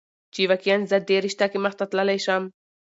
چې واقعا زه دې رشته کې مخته تللى شم.